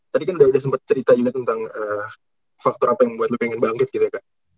tadi kan udah sempet cerita juga tentang faktor apa yang buat lo pengen bangkit gitu ya kak